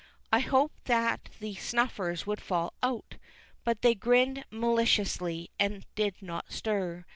I hoped that the snuffers would fall out; but they grinned maliciously, and did not stir.